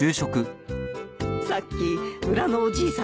さっき裏のおじいさんがね。